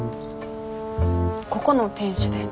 ここの店主で。